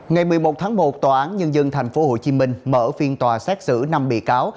ngày một mươi một tháng một tòa án nhân dân tp hcm mở phiên tòa xét xử năm bị cáo